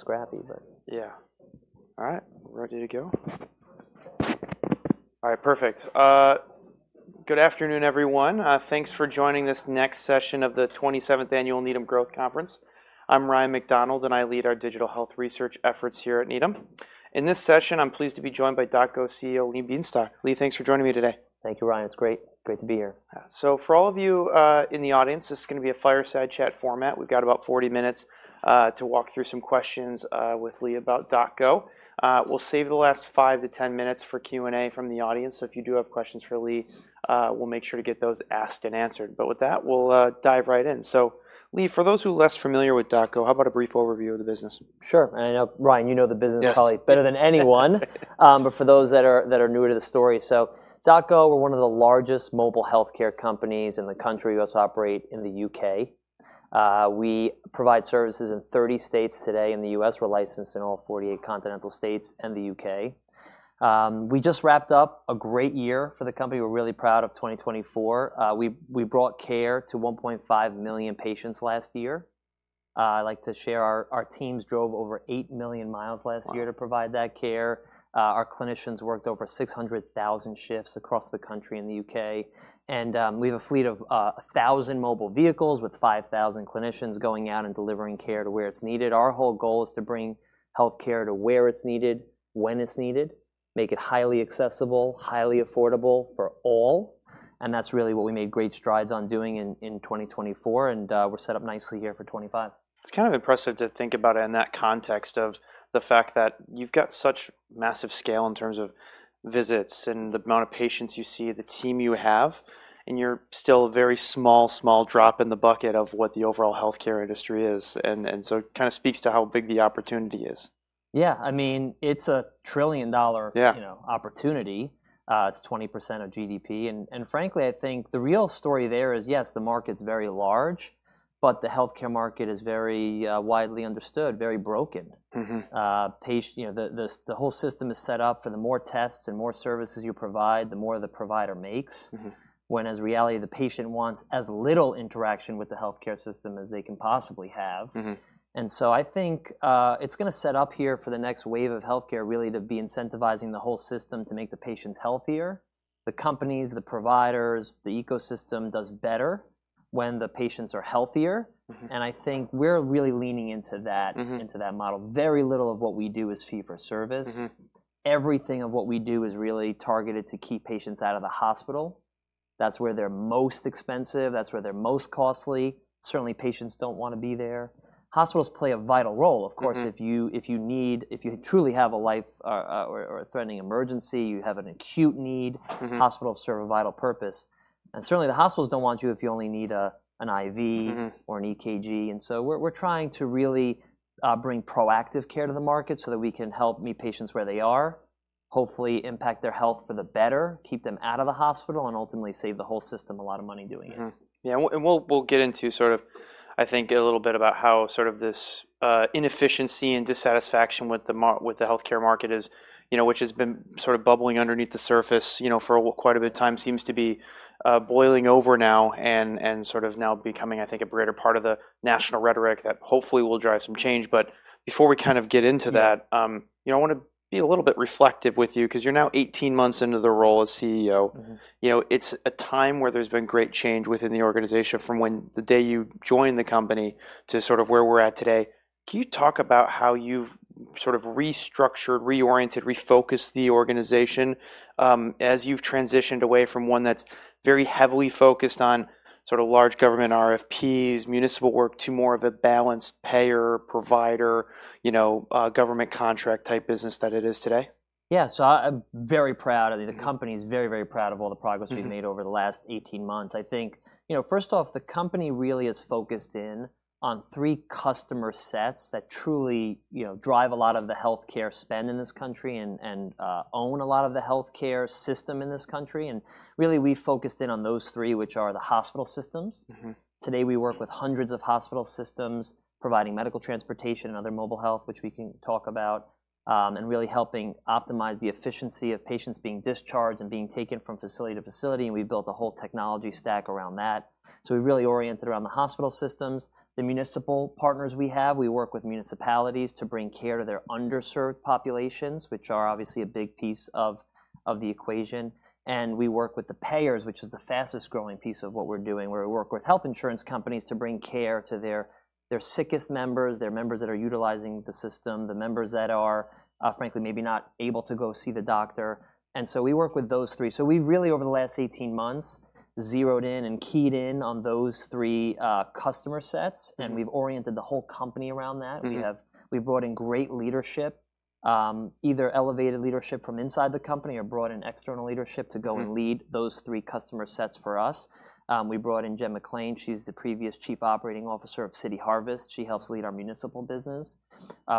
Scrappy, but. Good afternoon, everyone. Thanks for joining this next session of the 27th Annual Needham Growth Conference. I'm Ryan MacDonald, and I lead our digital health research efforts here at Needham. In this session, I'm pleased to be joined by DocGo CEO, Lee Bienstock. Lee, thanks for joining me today. Thank you, Ryan. It's great to be here. So for all of you in the audience, this is going to be a fireside chat format. We've got about 40 minutes to walk through some questions with Lee about DocGo. We'll save the last five to 10 minutes for Q&A from the audience. So if you do have questions for Lee, we'll make sure to get those asked and answered. But with that, we'll dive right in. So Lee, for those who are less familiar with DocGo, how about a brief overview of the business? Sure. And Ryan, you know the business probably better than anyone. But for those that are newer to the story, so DocGo, we're one of the largest mobile healthcare companies in the country. We also operate in the U.K. We provide services in 30 states today in the U.S. We're licensed in all 48 continental states and the U.K. We just wrapped up a great year for the company. We're really proud of 2024. We brought care to 1.5 million patients last year. I'd like to share our teams drove over 8 million miles last year to provide that care. Our clinicians worked over 600,000 shifts across the country in the U.K. And we have a fleet of 1,000 mobile vehicles with 5,000 clinicians going out and delivering care to where it's needed. Our whole goal is to bring healthcare to where it's needed, when it's needed, make it highly accessible, highly affordable for all. And that's really what we made great strides on doing in 2024. And we're set up nicely here for 2025. It's kind of impressive to think about it in that context of the fact that you've got such massive scale in terms of visits and the amount of patients you see, the team you have, and you're still a very small, small drop in the bucket of what the overall healthcare industry is. And so it kind of speaks to how big the opportunity is. Yeah. I mean, it's a trillion-dollar opportunity. It's 20% of GDP. And frankly, I think the real story there is, yes, the market's very large, but the healthcare market is very widely understood, very broken. The whole system is set up for the more tests and more services you provide, the more the provider makes, when in reality, the patient wants as little interaction with the healthcare system as they can possibly have. And so I think it's going to set up here for the next wave of healthcare really to be incentivizing the whole system to make the patients healthier. The companies, the providers, the ecosystem does better when the patients are healthier. And I think we're really leaning into that model. Very little of what we do is fee-for-service. Everything of what we do is really targeted to keep patients out of the hospital. That's where they're most expensive. That's where they're most costly. Certainly, patients don't want to be there. Hospitals play a vital role. Of course, if you need, if you truly have a life-threatening emergency, you have an acute need, hospitals serve a vital purpose. And certainly, the hospitals don't want you if you only need an IV or an EKG. And so we're trying to really bring proactive care to the market so that we can help meet patients where they are, hopefully impact their health for the better, keep them out of the hospital, and ultimately save the whole system a lot of money doing it. Yeah. And we'll get into sort of, I think, a little bit about how sort of this inefficiency and dissatisfaction with the healthcare market, which has been sort of bubbling underneath the surface for quite a bit of time, seems to be boiling over now and sort of now becoming, I think, a greater part of the national rhetoric that hopefully will drive some change. But before we kind of get into that, I want to be a little bit reflective with you because you're now 18 months into the role as CEO. It's a time where there's been great change within the organization from the day you joined the company to sort of where we're at today. Can you talk about how you've sort of restructured, reoriented, refocused the organization as you've transitioned away from one that's very heavily focused on sort of large government RFPs, municipal work, to more of a balanced payer, provider, government contract type business that it is today? Yeah. So I'm very proud. The company is very, very proud of all the progress we've made over the last 18 months. I think, first off, the company really is focused in on three customer sets that truly drive a lot of the healthcare spend in this country and own a lot of the healthcare system in this country. And really, we've focused in on those three, which are the hospital systems. Today, we work with hundreds of hospital systems providing medical transportation and other mobile health, which we can talk about, and really helping optimize the efficiency of patients being discharged and being taken from facility to facility. And we've built a whole technology stack around that. So we've really oriented around the hospital systems. The municipal partners we have, we work with municipalities to bring care to their underserved populations, which are obviously a big piece of the equation, and we work with the payers, which is the fastest growing piece of what we're doing, where we work with health insurance companies to bring care to their sickest members, their members that are utilizing the system, the members that are, frankly, maybe not able to go see the doctor, and so we work with those three, so we've really, over the last 18 months, zeroed in and keyed in on those three customer sets, and we've oriented the whole company around that. We've brought in great leadership, either elevated leadership from inside the company or brought in external leadership to go and lead those three customer sets for us. We brought in Jen McLean. She's the previous Chief Operating Officer of City Harvest. She helps lead our municipal business.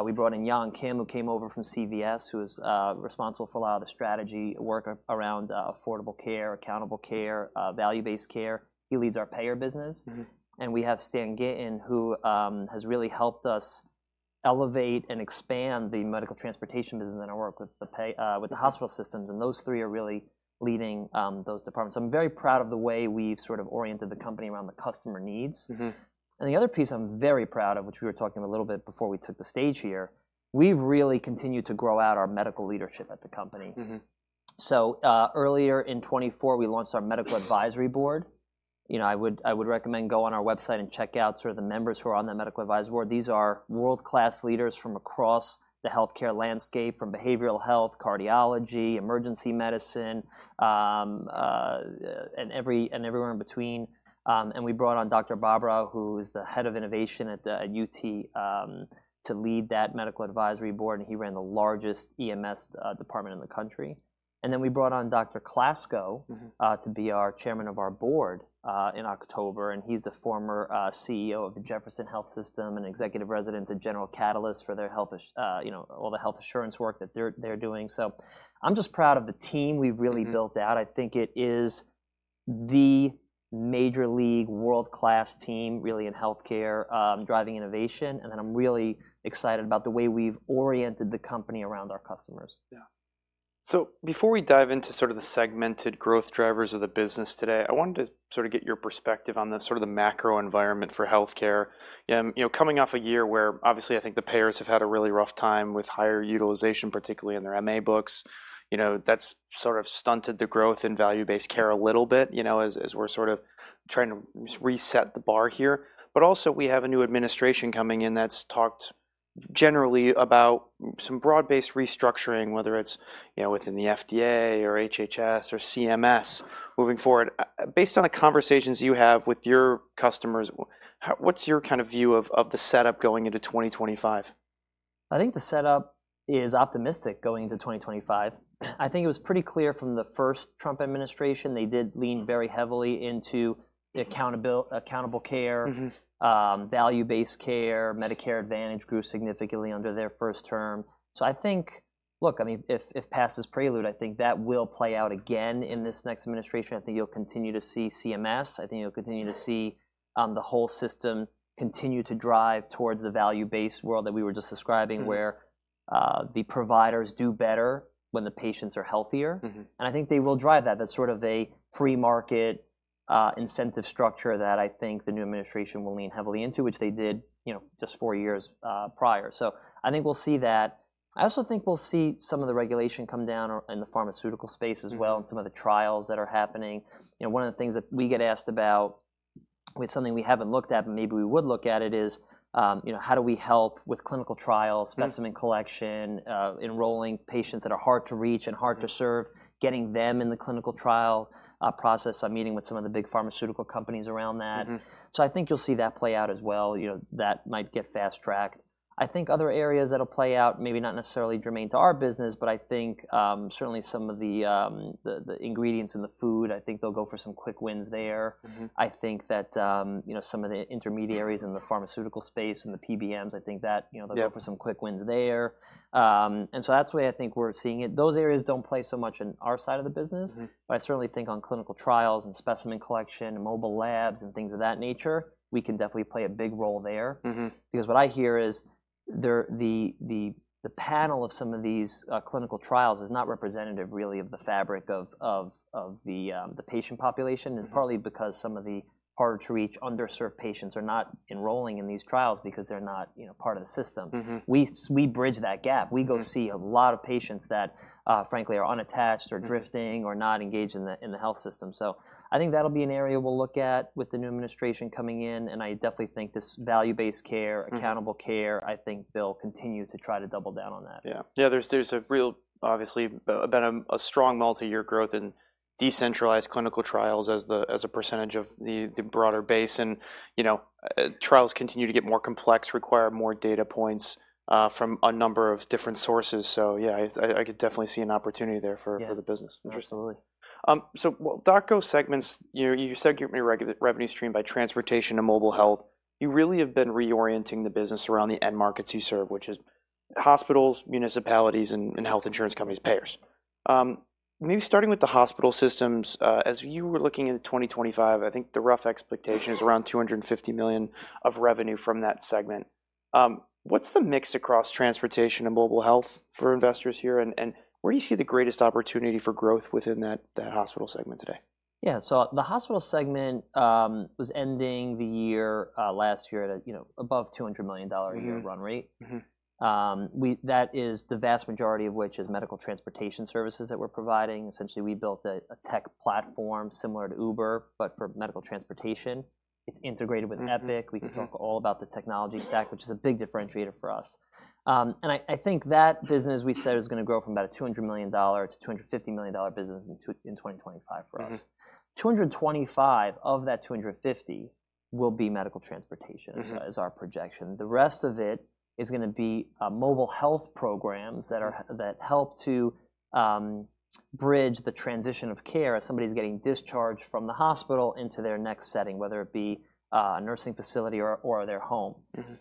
We brought in Yong Kim, who came over from CVS, who is responsible for a lot of the strategy work around affordable care, accountable care, value-based care. He leads our payer business. And we have Stan Vashovsky, who has really helped us elevate and expand the medical transportation business and our work with the hospital systems. And those three are really leading those departments. So I'm very proud of the way we've sort of oriented the company around the customer needs. And the other piece I'm very proud of, which we were talking a little bit before we took the stage here, we've really continued to grow out our medical leadership at the company. So earlier in 2024, we launched our medical advisory board. I would recommend going on our website and checking out sort of the members who are on that medical advisory board. These are world-class leaders from across the healthcare landscape, from behavioral health, cardiology, emergency medicine, and everywhere in between. And we brought on Dr. Barbara, who is the head of innovation at UT, to lead that medical advisory board. And he ran the largest EMS department in the country. And then we brought on Dr. Klasko to be our chairman of our board in October. And he's the former CEO of the Jefferson Health System and executive in residence at General Catalyst for all the healthcare work that they're doing. So I'm just proud of the team we've really built out. I think it is the major league, world-class team, really, in healthcare, driving innovation. And then I'm really excited about the way we've oriented the company around our customers. Yeah. So before we dive into sort of the segmented growth drivers of the business today, I wanted to sort of get your perspective on sort of the macro environment for healthcare. Coming off a year where, obviously, I think the payers have had a really rough time with higher utilization, particularly in their MA books, that's sort of stunted the growth in value-based care a little bit as we're sort of trying to reset the bar here. But also, we have a new administration coming in that's talked generally about some broad-based restructuring, whether it's within the FDA or HHS or CMS moving forward. Based on the conversations you have with your customers, what's your kind of view of the setup going into 2025? I think the setup is optimistic going into 2025. I think it was pretty clear from the first Trump administration. They did lean very heavily into accountable care, value-based care. Medicare Advantage grew significantly under their first term. So I think, look, I mean, if past is prelude, I think that will play out again in this next administration. I think you'll continue to see CMS. I think you'll continue to see the whole system continue to drive towards the value-based world that we were just describing, where the providers do better when the patients are healthier, and I think they will drive that. That's sort of a free market incentive structure that I think the new administration will lean heavily into, which they did just four years prior. So I think we'll see that. I also think we'll see some of the regulation come down in the pharmaceutical space as well and some of the trials that are happening. One of the things that we get asked about, it's something we haven't looked at, but maybe we would look at it, is how do we help with clinical trials, specimen collection, enrolling patients that are hard to reach and hard to serve, getting them in the clinical trial process. I'm meeting with some of the big pharmaceutical companies around that. So I think you'll see that play out as well. That might get fast-tracked. I think other areas that'll play out maybe not necessarily germane to our business, but I think certainly some of the ingredients in the food, I think they'll go for some quick wins there. I think that some of the intermediaries in the pharmaceutical space and the PBMs, I think that they'll go for some quick wins there. And so that's the way I think we're seeing it. Those areas don't play so much in our side of the business. But I certainly think on clinical trials and specimen collection and mobile labs and things of that nature, we can definitely play a big role there. Because what I hear is the pool of some of these clinical trials is not representative really of the fabric of the patient population. And partly because some of the harder-to-reach, underserved patients are not enrolling in these trials because they're not part of the system. We bridge that gap. We go see a lot of patients that, frankly, are unattached or drifting or not engaged in the health system. So I think that'll be an area we'll look at with the new administration coming in. And I definitely think this value-based care, accountable care, I think they'll continue to try to double down on that. Yeah. Yeah. There's a real, obviously, been a strong multi-year growth in decentralized clinical trials as a percentage of the broader base. And trials continue to get more complex, require more data points from a number of different sources. So yeah, I could definitely see an opportunity there for the business, interestingly. So DocGo segments, you segment your revenue stream by transportation and mobile health. You really have been reorienting the business around the end markets you serve, which is hospitals, municipalities, and health insurance companies, payers. Maybe starting with the hospital systems, as you were looking into 2025, I think the rough expectation is around $250 million of revenue from that segment. What's the mix across transportation and mobile health for investors here? And where do you see the greatest opportunity for growth within that hospital segment today? Yeah. So the hospital segment was ending the year last year at above $200 million a year run rate. That is the vast majority of which is medical transportation services that we're providing. Essentially, we built a tech platform similar to Uber, but for medical transportation. It's integrated with Epic. We can talk all about the technology stack, which is a big differentiator for us. And I think that business, as we said, is going to grow from about a $200 million-$250 million business in 2025 for us. 225 of that 250 will be medical transportation is our projection. The rest of it is going to be mobile health programs that help to bridge the transition of care as somebody's getting discharged from the hospital into their next setting, whether it be a nursing facility or their home.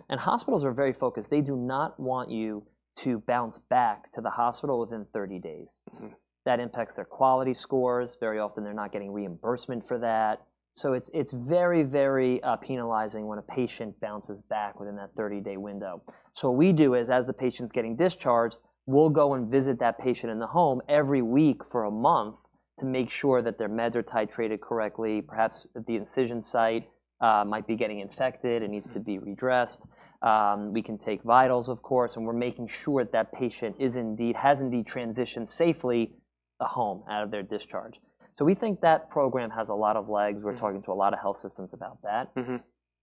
And hospitals are very focused. They do not want you to bounce back to the hospital within 30 days. That impacts their quality scores. Very often, they're not getting reimbursement for that. So it's very, very penalizing when a patient bounces back within that 30-day window. So what we do is, as the patient's getting discharged, we'll go and visit that patient in the home every week for a month to make sure that their meds are titrated correctly. Perhaps the incision site might be getting infected. It needs to be redressed. We can take vitals, of course. And we're making sure that that patient has indeed transitioned safely home out of their discharge. So we think that program has a lot of legs. We're talking to a lot of health systems about that.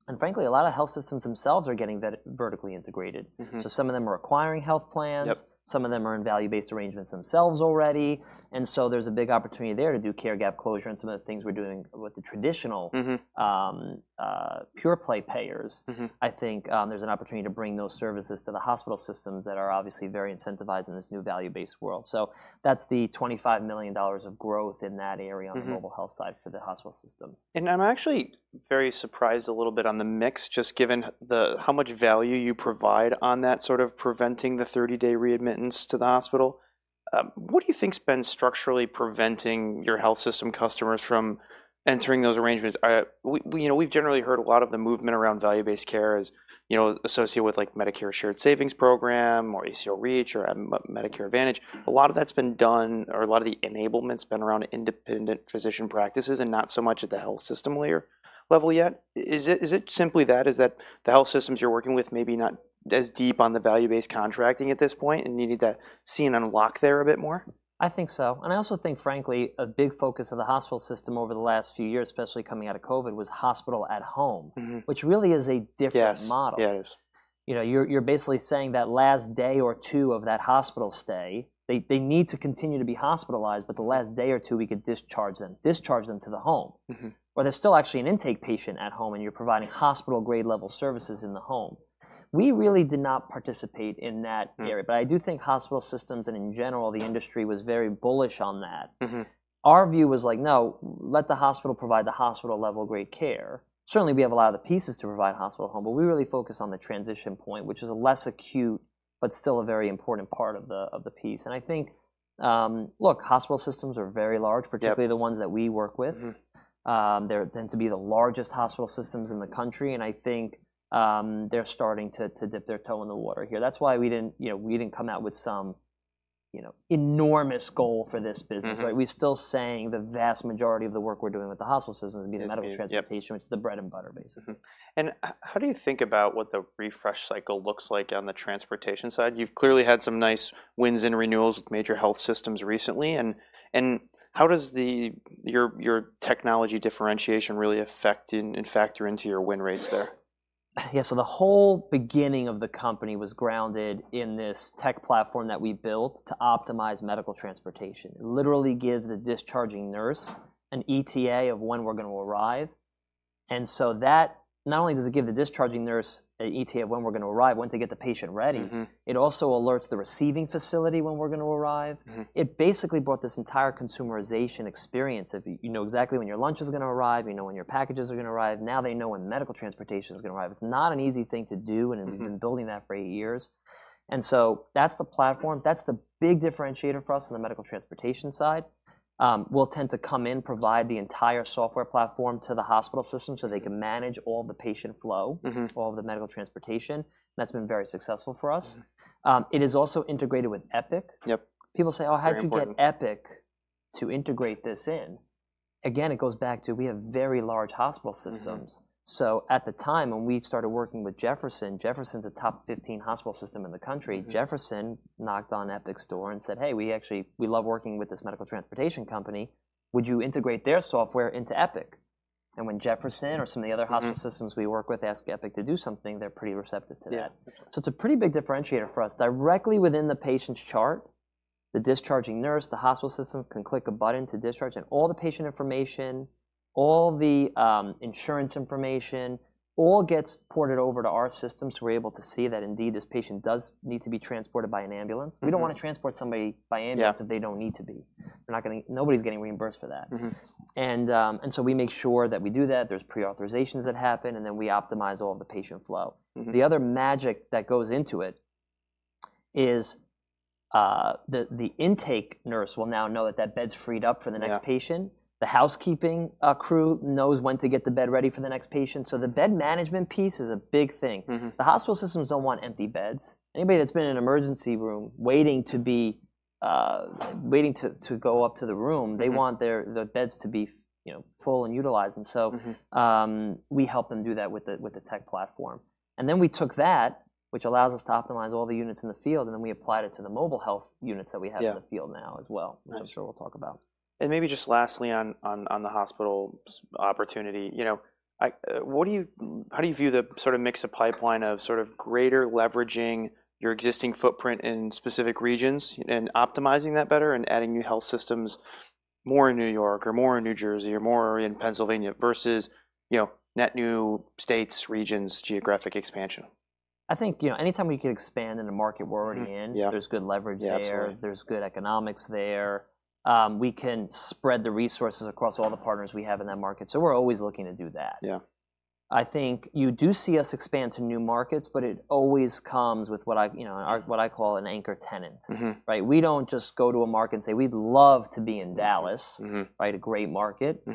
And frankly, a lot of health systems themselves are getting vertically integrated. So some of them are acquiring health plans. Some of them are in value-based arrangements themselves already. And so there's a big opportunity there to do care gap closure and some of the things we're doing with the traditional pure play payers. I think there's an opportunity to bring those services to the hospital systems that are obviously very incentivized in this new value-based world. So that's the $25 million of growth in that area on the mobile health side for the hospital systems. I'm actually very surprised a little bit on the mix, just given how much value you provide on that sort of preventing the 30-day readmittance to the hospital. What do you think's been structurally preventing your health system customers from entering those arrangements? We've generally heard a lot of the movement around value-based care is associated with Medicare Shared Savings Program or ACO REACH or Medicare Advantage. A lot of that's been done, or a lot of the enablement's been around independent physician practices and not so much at the health system layer level yet. Is it simply that? Is that the health systems you're working with maybe not as deep on the value-based contracting at this point and you need to see an unlock there a bit more? I think so. And I also think, frankly, a big focus of the hospital system over the last few years, especially coming out of COVID, was Hospital at Home, which really is a different model. You're basically saying that last day or two of that hospital stay, they need to continue to be hospitalized, but the last day or two, we could discharge them to the home. Or there's still actually an intake patient at home, and you're providing hospital-grade level services in the home. We really did not participate in that area. But I do think hospital systems and, in general, the industry was very bullish on that. Our view was like, no, let the hospital provide the hospital-level grade care. Certainly, we have a lot of the pieces to provide hospital at home, but we really focus on the transition point, which is a less acute but still a very important part of the piece. And I think, look, hospital systems are very large, particularly the ones that we work with. They tend to be the largest hospital systems in the country. And I think they're starting to dip their toe in the water here. That's why we didn't come out with some enormous goal for this business, right? We're still saying the vast majority of the work we're doing with the hospital systems would be the medical transportation, which is the bread and butter, basically. How do you think about what the refresh cycle looks like on the transportation side? You've clearly had some nice wins and renewals with major health systems recently. How does your technology differentiation really affect and factor into your win rates there? Yeah, so the whole beginning of the company was grounded in this tech platform that we built to optimize medical transportation. It literally gives the discharging nurse an ETA of when we're going to arrive. And so that not only does it give the discharging nurse an ETA of when we're going to arrive, when to get the patient ready, it also alerts the receiving facility when we're going to arrive. It basically brought this entire consumerization experience of you know exactly when your lunch is going to arrive, you know when your packages are going to arrive. Now they know when medical transportation is going to arrive. It's not an easy thing to do, and we've been building that for eight years. And so that's the platform. That's the big differentiator for us on the medical transportation side. We'll tend to come in, provide the entire software platform to the hospital system so they can manage all the patient flow, all of the medical transportation. And that's been very successful for us. It is also integrated with Epic. People say, "Oh, how did you get Epic to integrate this in?" Again, it goes back to we have very large hospital systems. So at the time when we started working with Jefferson, Jefferson's a top 15 hospital system in the country. Jefferson knocked on Epic's door and said, "Hey, we actually love working with this medical transportation company. Would you integrate their software into Epic?" And when Jefferson or some of the other hospital systems we work with ask Epic to do something, they're pretty receptive to that. So it's a pretty big differentiator for us. Directly within the patient's chart, the discharging nurse, the hospital system can click a button to discharge, and all the patient information, all the insurance information, all gets ported over to our system so we're able to see that indeed this patient does need to be transported by an ambulance. We don't want to transport somebody by ambulance if they don't need to be. Nobody's getting reimbursed for that, and so we make sure that we do that. There's pre-authorizations that happen, and then we optimize all of the patient flow. The other magic that goes into it is the intake nurse will now know that that bed's freed up for the next patient. The housekeeping crew knows when to get the bed ready for the next patient so the bed management piece is a big thing. The hospital systems don't want empty beds. Anybody that's been in an emergency room waiting to go up to the room, they want their beds to be full and utilized, and so we help them do that with the tech platform, and then we took that, which allows us to optimize all the units in the field, and then we applied it to the mobile health units that we have in the field now as well, which I'm sure we'll talk about. Maybe just lastly on the hospital opportunity, how do you view the sort of mix of pipeline of sort of greater leveraging your existing footprint in specific regions and optimizing that better and adding new health systems more in New York or more in New Jersey or more in Pennsylvania versus net new states, regions, geographic expansion? I think anytime we can expand in a market we're already in, there's good leverage there. There's good economics there. We can spread the resources across all the partners we have in that market. So we're always looking to do that. Yeah, I think you do see us expand to new markets, but it always comes with what I call an anchor tenant, right? We don't just go to a market and say, "We'd love to be in Dallas," right? A great market.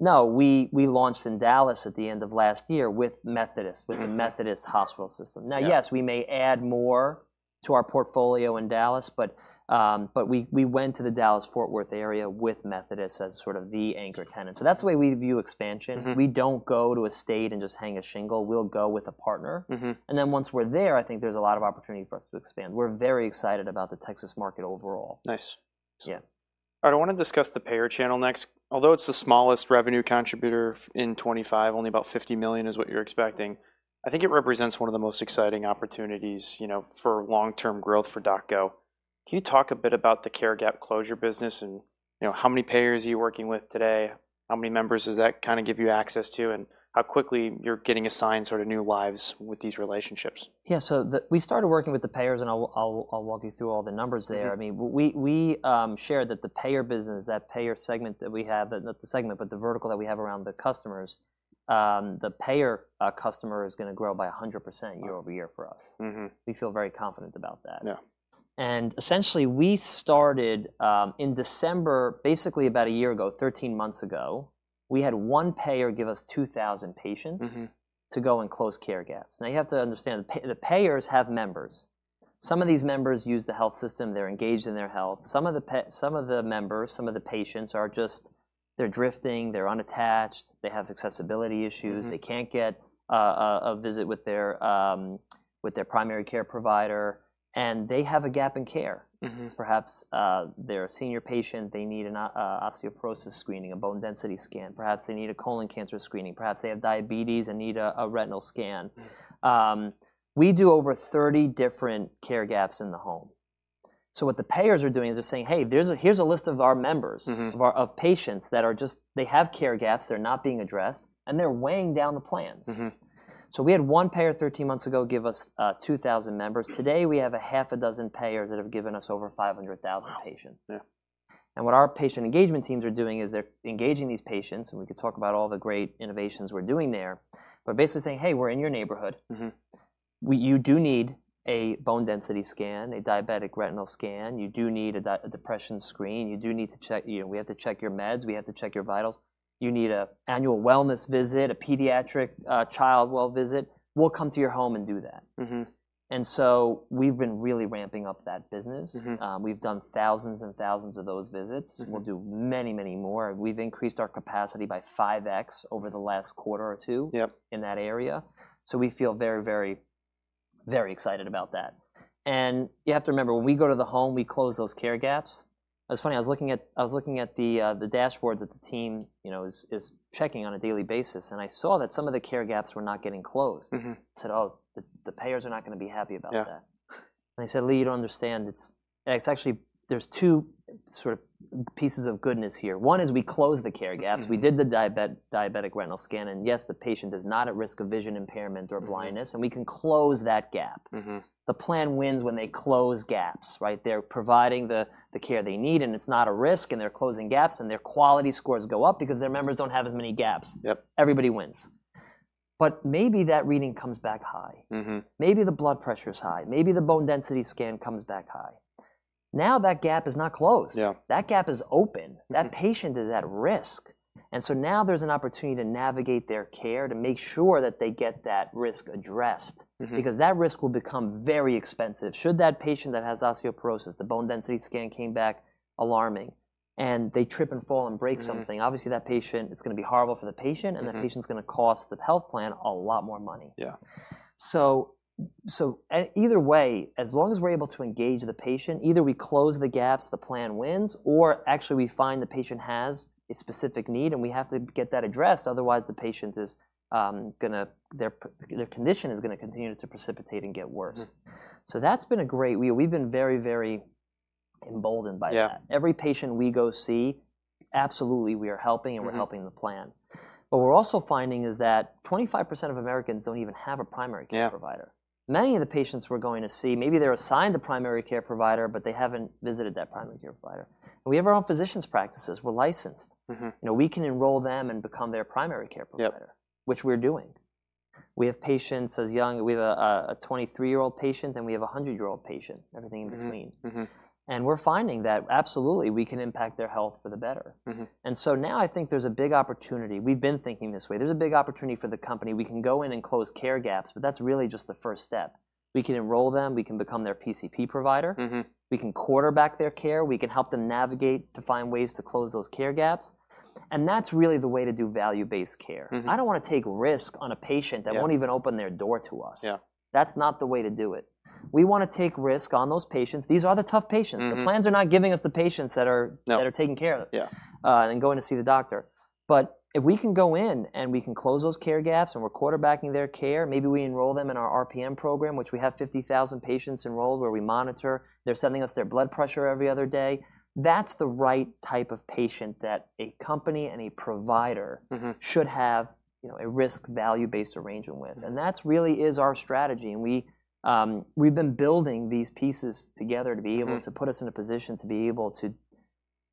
No, we launched in Dallas at the end of last year with Methodist, with the Methodist hospital system. Now, yes, we may add more to our portfolio in Dallas, but we went to the Dallas-Fort Worth area with Methodist as sort of the anchor tenant. So that's the way we view expansion. We don't go to a state and just hang a shingle. We'll go with a partner and then once we're there, I think there's a lot of opportunity for us to expand. We're very excited about the Texas market overall. Nice. Yeah. All right. I want to discuss the payer channel next. Although it's the smallest revenue contributor in 2025, only about $50 million is what you're expecting, I think it represents one of the most exciting opportunities for long-term growth for DocGo. Can you talk a bit about the care gap closure business and how many payers are you working with today? How many members does that kind of give you access to and how quickly you're getting assigned sort of new lives with these relationships? Yeah, so we started working with the payers, and I'll walk you through all the numbers there. I mean, we share that the payer business, that payer segment that we have, not the segment, but the vertical that we have around the customers, the payer customer is going to grow by 100% year-over-year for us. We feel very confident about that, and essentially, we started in December, basically about a year ago, 13 months ago. We had one payer give us 2,000 patients to go and close care gaps. Now, you have to understand the payers have members. Some of these members use the health system. They're engaged in their health. Some of the members, some of the patients are just, they're drifting, they're unattached, they have accessibility issues. They can't get a visit with their primary care provider, and they have a gap in care. Perhaps they're a senior patient. They need an osteoporosis screening, a bone density scan. Perhaps they need a colon cancer screening. Perhaps they have diabetes and need a retinal scan. We do over 30 different care gaps in the home. So what the payers are doing is they're saying, "Hey, here's a list of our members of patients that are just, they have care gaps. They're not being addressed, and they're weighing down the plans." So we had one payer 13 months ago give us 2,000 members. Today, we have 6 payers that have given us over 500,000 patients. And what our patient engagement teams are doing is they're engaging these patients, and we could talk about all the great innovations we're doing there, but basically saying, "Hey, we're in your neighborhood. You do need a bone density scan, a diabetic retinal scan. You do need a depression screen. You do need to check, we have to check your meds. We have to check your vitals. You need an annual wellness visit, a pediatric child well visit. We'll come to your home and do that." And so we've been really ramping up that business. We've done thousands and thousands of those visits. We'll do many, many more. We've increased our capacity by 5X over the last quarter or two in that area. So we feel very, very, very excited about that. And you have to remember, when we go to the home, we close those care gaps. It was funny. I was looking at the dashboards that the team is checking on a daily basis, and I saw that some of the care gaps were not getting closed. I said, "Oh, the payers are not going to be happy about that." And I said, "Lee, you don't understand. It's actually, there's two sort of pieces of goodness here. One is we closed the care gaps. We did the diabetic retinal scan, and yes, the patient is not at risk of vision impairment or blindness, and we can close that gap. The plan wins when they close gaps, right? They're providing the care they need, and it's not a risk, and they're closing gaps, and their quality scores go up because their members don't have as many gaps. Everybody wins. But maybe that reading comes back high. Maybe the blood pressure is high. Maybe the bone density scan comes back high. Now that gap is not closed. That gap is open. That patient is at risk. And so now there's an opportunity to navigate their care to make sure that they get that risk addressed because that risk will become very expensive. Should that patient that has osteoporosis, the bone density scan came back alarming, and they trip and fall and break something, obviously that patient, it's going to be horrible for the patient, and that patient's going to cost the health plan a lot more money. So either way, as long as we're able to engage the patient, either we close the gaps, the plan wins, or actually we find the patient has a specific need, and we have to get that addressed. Otherwise, the patient is going to, their condition is going to continue to precipitate and get worse. So that's been a great, we've been very, very emboldened by that. Every patient we go see, absolutely, we are helping, and we're helping the plan. But what we're also finding is that 25% of Americans don't even have a primary care provider. Many of the patients we're going to see, maybe they're assigned a primary care provider, but they haven't visited that primary care provider, and we have our own physicians' practices. We're licensed. We can enroll them and become their primary care provider, which we're doing. We have patients as young; we have a 23-year-old patient, and we have a 100-year-old patient, everything in between, and we're finding that, absolutely, we can impact their health for the better. So now I think there's a big opportunity. We've been thinking this way. There's a big opportunity for the company. We can go in and close care gaps, but that's really just the first step. We can enroll them. We can become their PCP provider. We can quarterback their care. We can help them navigate to find ways to close those care gaps. And that's really the way to do value-based care. I don't want to take risk on a patient that won't even open their door to us. That's not the way to do it. We want to take risk on those patients. These are the tough patients. The plans are not giving us the patients that are taking care of them and going to see the doctor. But if we can go in and we can close those care gaps and we're quarterbacking their care, maybe we enroll them in our RPM program, which we have 50,000 patients enrolled where we monitor. They're sending us their blood pressure every other day. That's the right type of patient that a company and a provider should have a risk-value-based arrangement with. And that really is our strategy. And we've been building these pieces together to be able to put us in a position to be able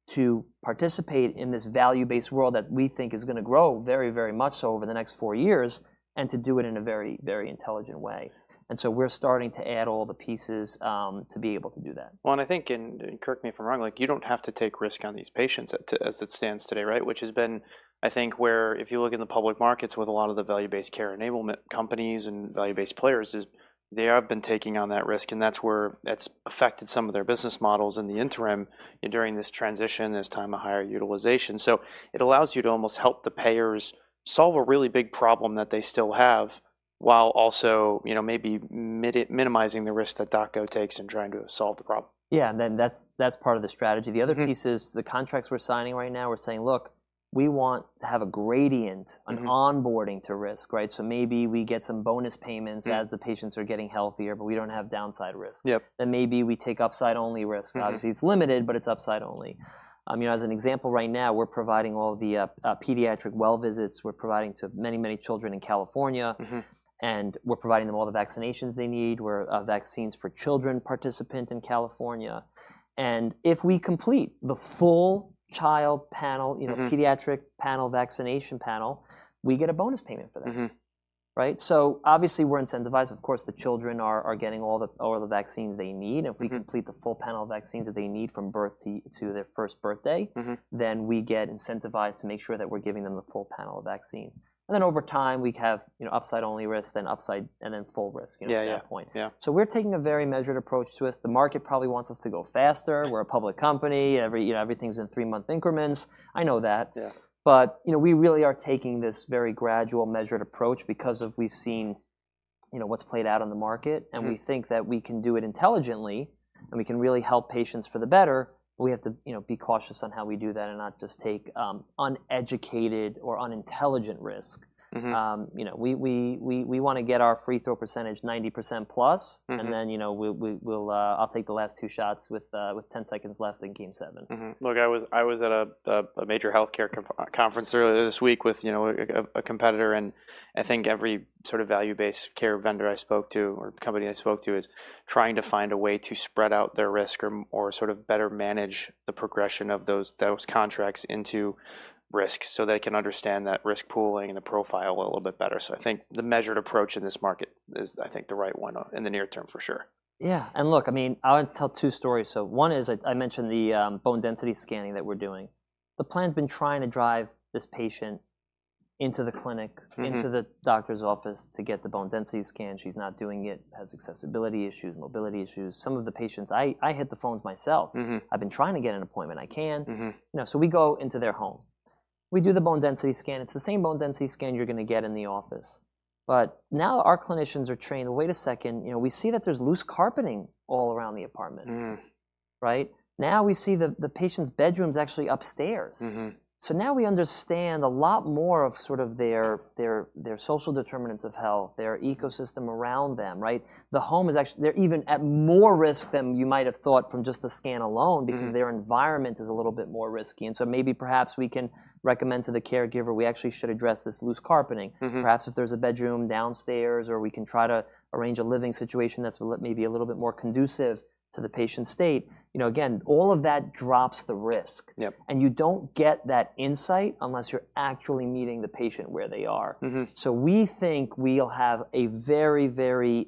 to participate in this value-based world that we think is going to grow very, very much so over the next four years and to do it in a very, very intelligent way. And so we're starting to add all the pieces to be able to do that. And I think, and correct me if I'm wrong, you don't have to take risk on these patients as it stands today, right? Which has been, I think, where if you look in the public markets with a lot of the value-based care enablement companies and value-based players, they have been taking on that risk, and that's where that's affected some of their business models in the interim during this transition, this time of higher utilization. So it allows you to almost help the payers solve a really big problem that they still have while also maybe minimizing the risk that DocGo takes in trying to solve the problem. Yeah, and then that's part of the strategy. The other piece is the contracts we're signing right now. We're saying, "Look, we want to have a gradient, an onboarding to risk," right? So maybe we get some bonus payments as the patients are getting healthier, but we don't have downside risk, then maybe we take upside-only risk. Obviously, it's limited, but it's upside-only. As an example, right now, we're providing all the pediatric well visits. We're providing to many, many children in California, and we're providing them all the vaccinations they need. We're Vaccines for Children participants in California. And if we complete the full child panel, pediatric panel vaccination panel, we get a bonus payment for that, right? So obviously, we're incentivized. Of course, the children are getting all the vaccines they need. If we complete the full panel of vaccines that they need from birth to their first birthday, then we get incentivized to make sure that we're giving them the full panel of vaccines, and then over time, we have upside-only risk, then upside, and then full risk at that point, so we're taking a very measured approach to us. The market probably wants us to go faster. We're a public company. Everything's in three-month increments. I know that, but we really are taking this very gradual, measured approach because of what's played out on the market, and we think that we can do it intelligently, and we can really help patients for the better, but we have to be cautious on how we do that and not just take uneducated or unintelligent risk. We want to get our free-throw percentage 90% plus, and then I'll take the last two shots with 10 seconds left in game seven. Look, I was at a major healthcare conference earlier this week with a competitor, and I think every sort of value-based care vendor I spoke to or company I spoke to is trying to find a way to spread out their risk or sort of better manage the progression of those contracts into risk so they can understand that risk pooling and the profile a little bit better. So I think the measured approach in this market is, I think, the right one in the near term for sure. Yeah, and look, I mean, I'll tell two stories, so one is I mentioned the bone density scanning that we're doing. The plan's been trying to drive this patient into the clinic, into the doctor's office to get the bone density scan. She's not doing it. Has accessibility issues, mobility issues. Some of the patients, I hit the phones myself. I've been trying to get an appointment. I can, so we go into their home. We do the bone density scan. It's the same bone density scan you're going to get in the office, but now our clinicians are trained: "Wait a second. We see that there's loose carpeting all around the apartment," right? Now we see the patient's bedroom's actually upstairs, so now we understand a lot more of sort of their social determinants of health, their ecosystem around them, right? The home is actually, they're even at more risk than you might have thought from just the scan alone because their environment is a little bit more risky, and so maybe perhaps we can recommend to the caregiver, "We actually should address this loose carpeting. Perhaps if there's a bedroom downstairs, or we can try to arrange a living situation that's maybe a little bit more conducive to the patient's state." Again, all of that drops the risk, and you don't get that insight unless you're actually meeting the patient where they are, so we think we'll have a very, very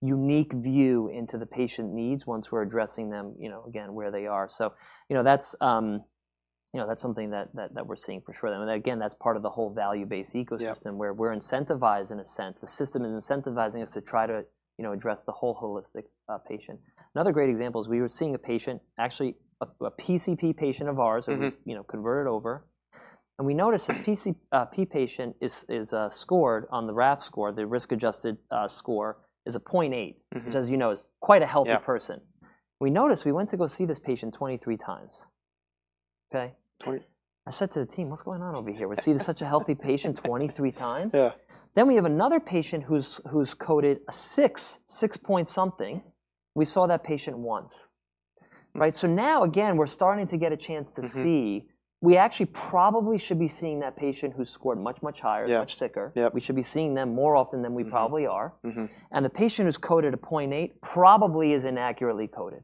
unique view into the patient needs once we're addressing them, again, where they are, so that's something that we're seeing for sure, and again, that's part of the whole value-based ecosystem where we're incentivized in a sense. The system is incentivizing us to try to address the whole holistic patient. Another great example is we were seeing a patient, actually a PCP patient of ours, who we've converted over, and we noticed this PCP patient is scored on the RAF score, the risk-adjusted score is a 0.8, which as you know, is quite a healthy person. We noticed we went to go see this patient 23 times. Okay? I said to the team, "What's going on over here? We're seeing such a healthy patient 23 times?" Then we have another patient who's coded a 6, 6 point something. We saw that patient once, right? So now, again, we're starting to get a chance to see. We actually probably should be seeing that patient who's scored much, much higher, much sicker. We should be seeing them more often than we probably are. And the patient who's coded a 0.8 probably is inaccurately coded.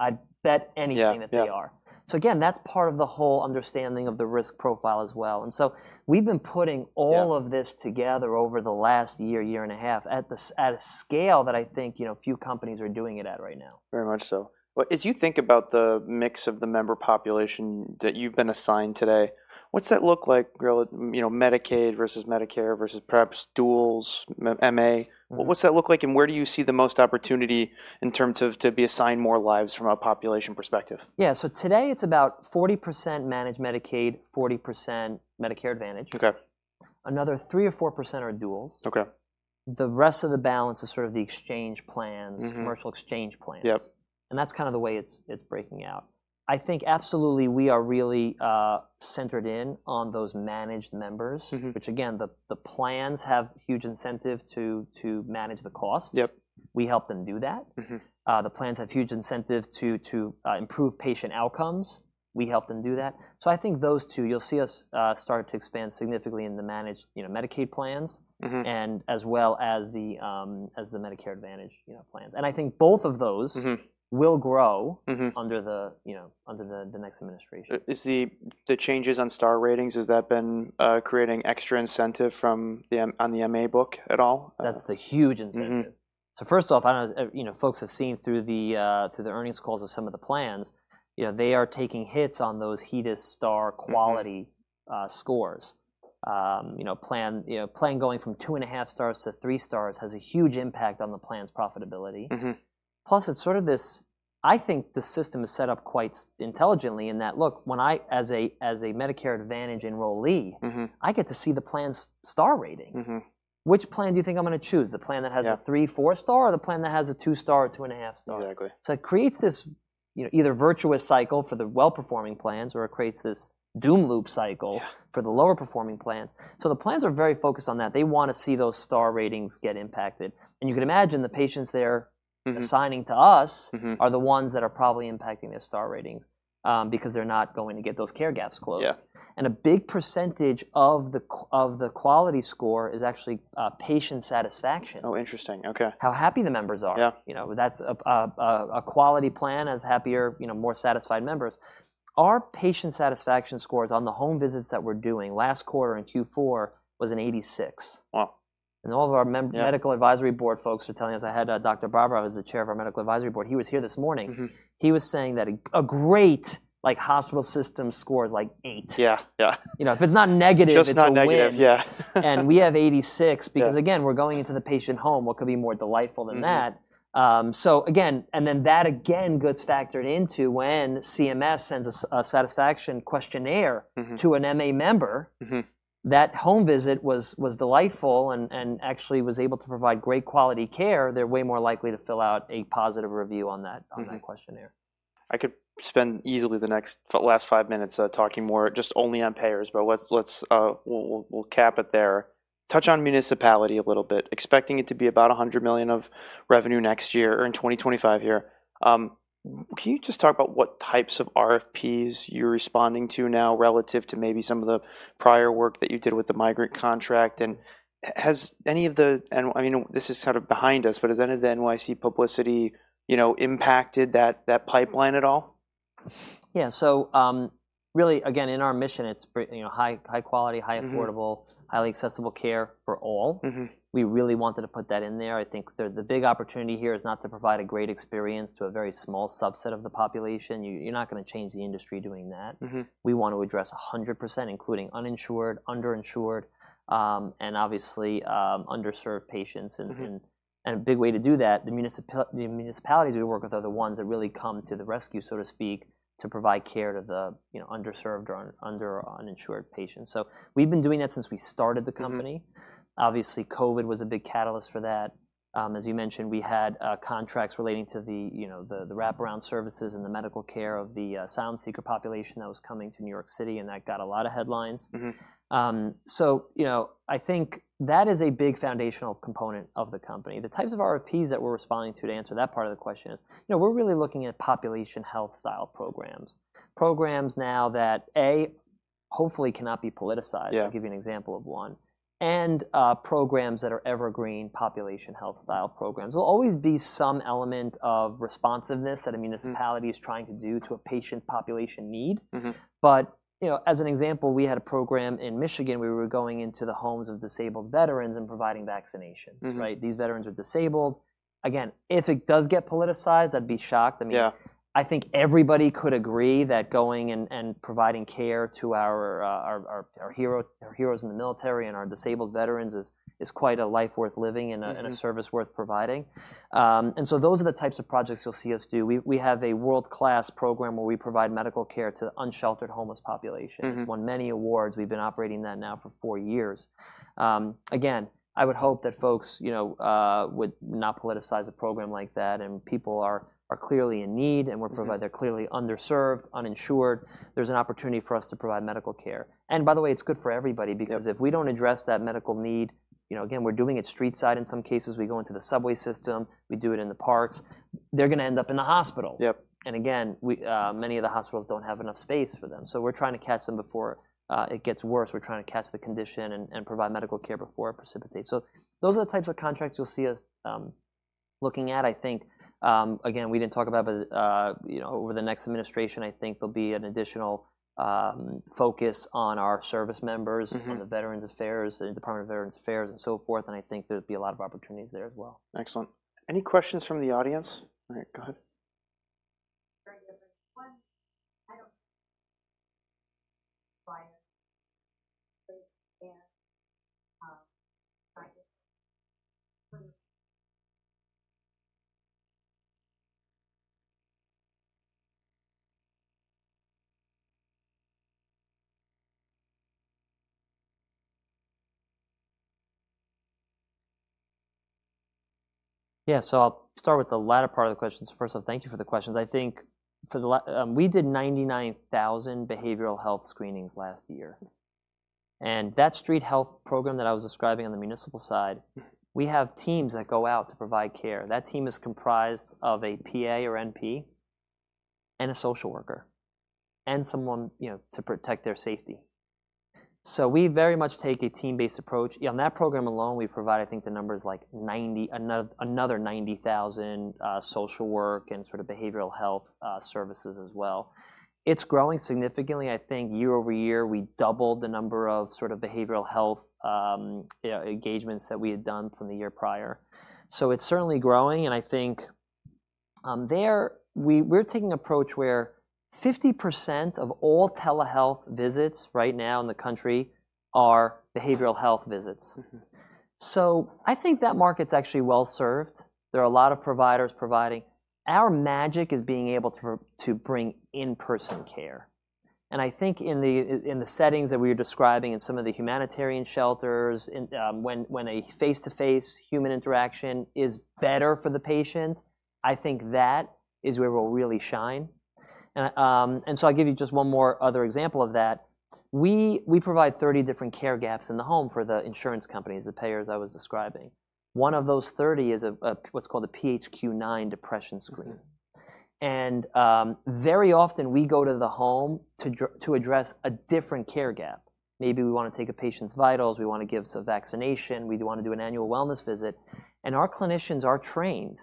I bet anything that they are. So again, that's part of the whole understanding of the risk profile as well. And so we've been putting all of this together over the last year, year and a half at a scale that I think few companies are doing it at right now. Very much so. Well, as you think about the mix of the member population that you've been assigned today, what's that look like, Medicaid versus Medicare versus perhaps duals, MA? What's that look like, and where do you see the most opportunity in terms of to be assigned more lives from a population perspective? Yeah. So today, it's about 40% managed Medicaid, 40% Medicare Advantage. Another 3 or 4% are duals. The rest of the balance is sort of the exchange plans, commercial exchange plans. And that's kind of the way it's breaking out. I think absolutely we are really centered in on those managed members, which again, the plans have huge incentive to manage the costs. We help them do that. The plans have huge incentive to improve patient outcomes. We help them do that. So I think those two, you'll see us start to expand significantly in the managed Medicaid plans and as well as the Medicare Advantage plans. And I think both of those will grow under the next administration. Is the changes on Star Ratings, has that been creating extra incentive on the MA book at all? That's a huge incentive. So first off, folks have seen through the earnings calls of some of the plans. They are taking hits on those HEDIS star quality scores. Plan going from two and a half stars to three stars has a huge impact on the plan's profitability. Plus, it's sort of this. I think the system is set up quite intelligently in that. Look, when I, as a Medicare Advantage enrollee, get to see the plan's star rating. Which plan do you think I'm going to choose? The plan that has a three, four star, or the plan that has a two star, two and a half star? So it creates this either virtuous cycle for the well-performing plans, or it creates this doom loop cycle for the lower performing plans. So the plans are very focused on that. They want to see those star ratings get impacted. And you can imagine the patients they're assigning to us are the ones that are probably impacting their star ratings because they're not going to get those care gaps closed. And a big percentage of the quality score is actually patient satisfaction. Oh, interesting. Okay. How happy the members are. That's a quality plan has happier, more satisfied members. Our patient satisfaction scores on the home visits that we're doing last quarter in Q4 was an 86. Wow. And all of our medical advisory board folks are telling us, I had Dr. Barbara, who's the chair of our medical advisory board. He was here this morning. He was saying that a great hospital system score is like 8. Yeah. Yeah. If it's not negative, it's a negative. If it's not negative, yeah. We have 86 because, again, we're going into the patient home. What could be more delightful than that? So again, and then that again gets factored into when CMS sends a satisfaction questionnaire to an MA member, that home visit was delightful and actually was able to provide great quality care. They're way more likely to fill out a positive review on that questionnaire. I could spend easily the last five minutes talking more just only on payers, but we'll cap it there. Touch on municipality a little bit. Expecting it to be about $100 million of revenue next year or in 2025 here. Can you just talk about what types of RFPs you're responding to now relative to maybe some of the prior work that you did with the migrant contract? And has any of the, and I mean, this is sort of behind us, but has any of the NYC publicity impacted that pipeline at all? Yeah. So really, again, in our mission, it's high quality, high affordable, highly accessible care for all. We really wanted to put that in there. I think the big opportunity here is not to provide a great experience to a very small subset of the population. You're not going to change the industry doing that. We want to address 100%, including uninsured, underinsured, and obviously underserved patients. A big way to do that is the municipalities we work with are the ones that really come to the rescue, so to speak, to provide care to the underserved or under-insured patients. So we've been doing that since we started the company. Obviously, COVID was a big catalyst for that. As you mentioned, we had contracts relating to the wraparound services and the medical care of the asylum seeker population that was coming to New York City, and that got a lot of headlines. So I think that is a big foundational component of the company. The types of RFPs that we're responding to to answer that part of the question is we're really looking at population health style programs. Programs now that, A, hopefully cannot be politicized. I'll give you an example of one. And programs that are evergreen population health style programs. There'll always be some element of responsiveness that a municipality is trying to do to a patient population need. But as an example, we had a program in Michigan. We were going into the homes of disabled veterans and providing vaccinations, right? These veterans are disabled. Again, if it does get politicized, I'd be shocked. I mean, I think everybody could agree that going and providing care to our heroes in the military and our disabled veterans is quite a life worth living and a service worth providing, and so those are the types of projects you'll see us do. We have a world-class program where we provide medical care to unsheltered homeless population. It's won many awards. We've been operating that now for four years. Again, I would hope that folks would not politicize a program like that, and people are clearly in need, and they're clearly underserved, uninsured. There's an opportunity for us to provide medical care, and by the way, it's good for everybody because if we don't address that medical need, again, we're doing it street-side in some cases, we go into the subway system, we do it in the parks. They're going to end up in the hospital. And again, many of the hospitals don't have enough space for them. So we're trying to catch them before it gets worse. We're trying to catch the condition and provide medical care before it precipitates. So those are the types of contracts you'll see us looking at, I think. Again, we didn't talk about, but over the next administration, I think there'll be an additional focus on our service members, on the Department of Veterans Affairs, and so forth. And I think there'd be a lot of opportunities there as well. Excellent. Any questions from the audience? All right. Go ahead. Yeah. So I'll start with the latter part of the questions. First off, thank you for the questions. I think we did 99,000 behavioral health screenings last year. And that street health program that I was describing on the municipal side, we have teams that go out to provide care. That team is comprised of a PA or NP and a social worker and someone to protect their safety. So we very much take a team-based approach. On that program alone, we provide, I think, the numbers like another 90,000 social work and sort of behavioral health services as well. It's growing significantly. I think year-over-year, we doubled the number of sort of behavioral health engagements that we had done from the year prior. So it's certainly growing. And I think there, we're taking an approach where 50% of all telehealth visits right now in the country are behavioral health visits. So I think that market's actually well served. There are a lot of providers providing. Our magic is being able to bring in-person care. And I think in the settings that we were describing in some of the humanitarian shelters, when a face-to-face human interaction is better for the patient, I think that is where we'll really shine. And so I'll give you just one more other example of that. We provide 30 different care gaps in the home for the insurance companies, the payers I was describing. One of those 30 is what's called a PHQ-9 depression screen. And very often, we go to the home to address a different care gap. Maybe we want to take a patient's vitals. We want to give some vaccination. We want to do an annual wellness visit, and our clinicians are trained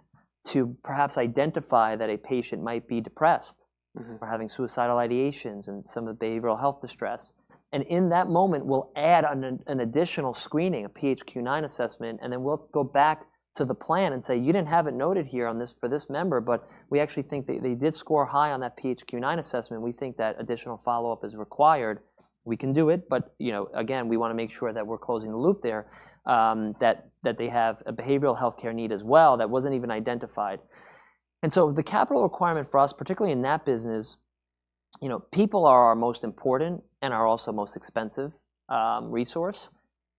to perhaps identify that a patient might be depressed or having suicidal ideations and some of the behavioral health distress. And in that moment, we'll add an additional screening, a PHQ-9 assessment, and then we'll go back to the plan and say, "You didn't have it noted here for this member, but we actually think that they did score high on that PHQ-9 assessment. We think that additional follow-up is required. We can do it, but again, we want to make sure that we're closing the loop there, that they have a behavioral healthcare need as well that wasn't even identified." And so the capital requirement for us, particularly in that business, people are our most important and are also most expensive resource.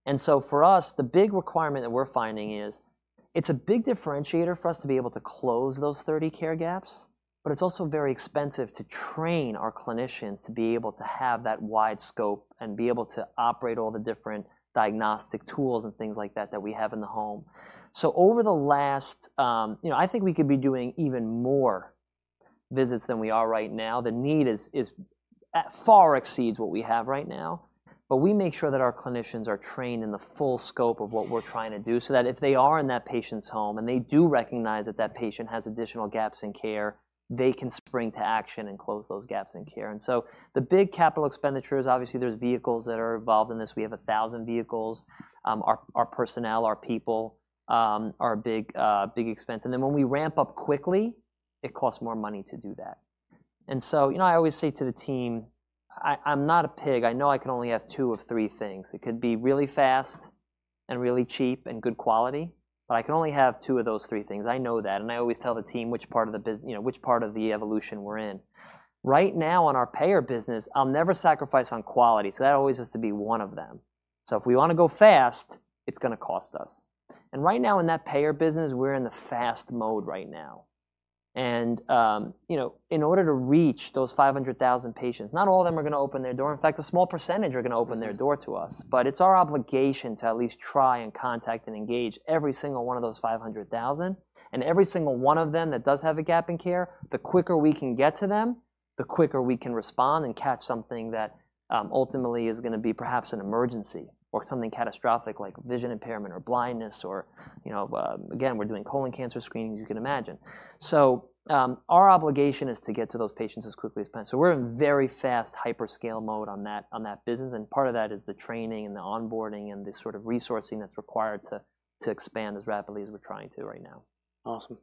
And so for us, the big requirement that we're finding is it's a big differentiator for us to be able to close those 30 care gaps, but it's also very expensive to train our clinicians to be able to have that wide scope and be able to operate all the different diagnostic tools and things like that that we have in the home. So over the last, I think we could be doing even more visits than we are right now. The need far exceeds what we have right now. But we make sure that our clinicians are trained in the full scope of what we're trying to do so that if they are in that patient's home and they do recognize that that patient has additional gaps in care, they can spring to action and close those gaps in care. And so the big capital expenditure is obviously there's vehicles that are involved in this. We have 1,000 vehicles. Our personnel, our people are a big expense. And then when we ramp up quickly, it costs more money to do that. And so I always say to the team, "I'm not a pig. I know I can only have two of three things. It could be really fast and really cheap and good quality, but I can only have two of those three things. I know that." And I always tell the team which part of the business, which part of the evolution we're in. Right now, on our payer business, I'll never sacrifice on quality. So that always has to be one of them. So if we want to go fast, it's going to cost us. Right now in that payer business, we're in the fast mode right now. In order to reach those 500,000 patients, not all of them are going to open their door. In fact, a small percentage are going to open their door to us. It's our obligation to at least try and contact and engage every single one of those 500,000. Every single one of them that does have a gap in care, the quicker we can get to them, the quicker we can respond and catch something that ultimately is going to be perhaps an emergency or something catastrophic like vision impairment or blindness or, again, we're doing colon cancer screenings, you can imagine. Our obligation is to get to those patients as quickly as possible. We're in very fast hyperscale mode on that business. Part of that is the training and the onboarding and the sort of resourcing that's required to expand as rapidly as we're trying to right now. Awesome.